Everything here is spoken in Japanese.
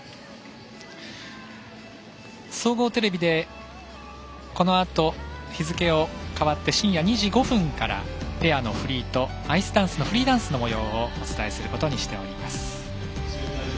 総合テレビでこのあと、日付が変わって深夜２時５分からペアのフリーとアイスダンスのフリーダンスのもようをお伝えすることにしております。